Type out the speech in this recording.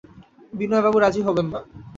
বিনয়বাবু রাজি হবেন না!